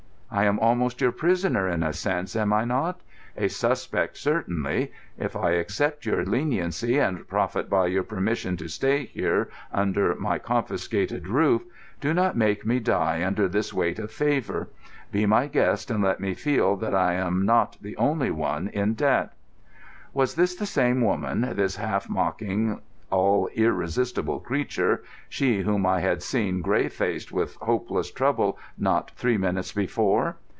"I am almost your prisoner, in a sense, am I not? A suspect, certainly. If I accept your leniency, and profit by your permission to stay here under my confiscated roof, do not make me die under this weight of favour. Be my guest and let me feel that I am not the only one in debt." Was this the same woman, this half mocking, all irresistible creature, she whom I had seen grey faced with hopeless trouble not three minutes before?